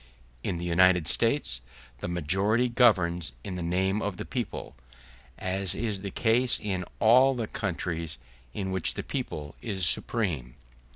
In the United States the majority governs in the name of the people, as is the case in all the countries in which the people is supreme.